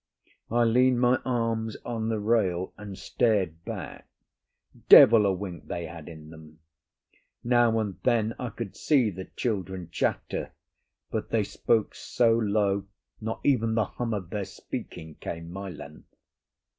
I leaned my arms on the rail and stared back. Devil a wink they had in them! Now and then I could see the children chatter, but they spoke so low not even the hum of their speaking came my length.